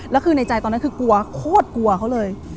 แล้วคือในใจตอนนั้นคือกลัวโคตรกลัวเขาเลย